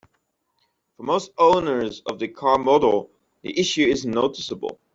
For most owners of the car model, the issue isn't noticeable.